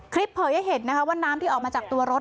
คลิปเผยให้เห็นว่าน้ำที่ออกมาจากตัวรถ